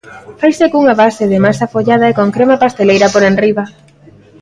Faise cunha base de masa follada e con crema pasteleira por enriba.